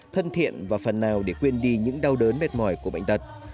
thân thiện và phần nào để quên đi những đau đớn mệt mỏi của bệnh tật